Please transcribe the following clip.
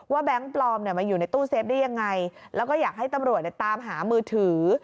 แก๊งปลอมมาอยู่ในตู้เซฟได้ยังไงแล้วก็อยากให้ตำรวจตามหามือถือ